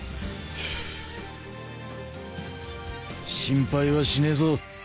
心配はしねえぞ。